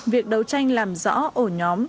việc đấu tranh làm rõ ở nhóm